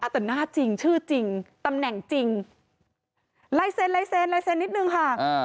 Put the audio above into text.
แต่หน้าจริงชื่อจริงตำแหน่งจริงไลเซนนิดนึงค่ะ